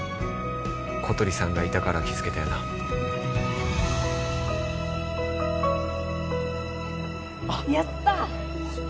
小鳥さんがいたから気づけたよなあっやった！